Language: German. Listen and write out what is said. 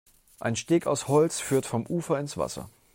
Ein Steg aus Holz führt vom Ufer ins Wasser.